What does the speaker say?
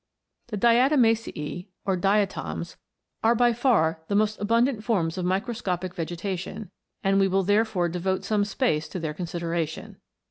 The Diatomacece, or diatoms, are by far the most abundant forms of microscopic vegetation, and we will therefore devote some space to their considera tion.